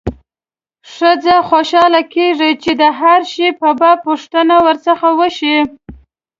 ښځه خوشاله کېږي چې د هر شي په باب پوښتنه ورڅخه وشي.